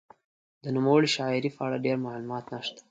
د نوموړې شاعرې په اړه ډېر معلومات نشته.